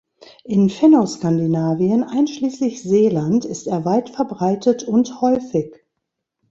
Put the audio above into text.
In Fennoskandinavien einschließlich Seeland ist er weit verbreitet und häufig.